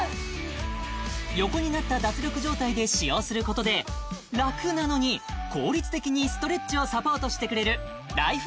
横になった脱力状態で使用することでラクなのに効率的にストレッチをサポートしてくれるライフ